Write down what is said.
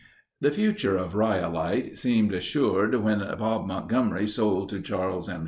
The future of Rhyolite seemed assured when Bob Montgomery sold to Charles M.